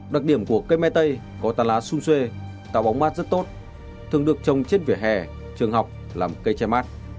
đặc điểm của cây me tây có tàn lá xun xuê tạo bóng mát rất tốt thường được trồng trên vỉa hè trường học làm cây che mát